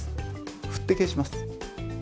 振って消します。